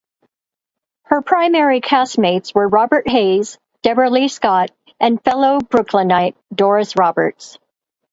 Her primary castmates were Robert Hays, Debralee Scott, and fellow Brooklynite Doris Roberts.